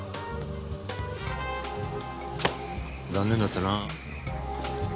残念だったな。